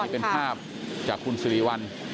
นะว่าเป็นภาพจากคุณสิริวัณ